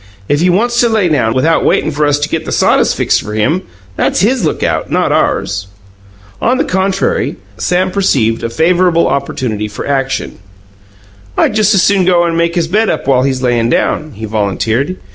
If he wants to lay down without waitin' for us to get the sawdust fixed for him, that's his lookout, not ours." On the contrary, Sam perceived a favourable opportunity for action. "I just as soon go and make his bed up while he's layin' down," he volunteered.